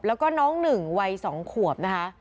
แล้วก็น้องหนึ่งวัย๒ขวบนะคะ